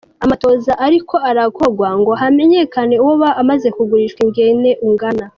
Amatohoza ariko arakogwa ngo hamenyekane uwoba umaze kugurishwa ingene ungana.